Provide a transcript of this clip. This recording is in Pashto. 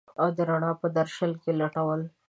او د رڼا په درشل کي لټول